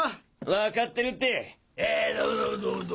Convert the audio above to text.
わかってるって！